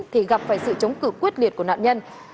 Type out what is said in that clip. thì gặp phải sự chống cử quyết liệt của nạn nhân